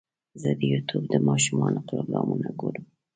زه د یوټیوب د ماشومانو پروګرامونه ګورم.